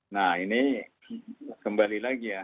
nah ini kembali lagi ya